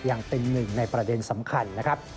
ยังเป็นหนึ่งในประเด็นสำคัญนะครับ